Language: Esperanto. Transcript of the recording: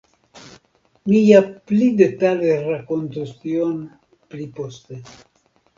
Mi ja pli detale rakontos tion pli poste.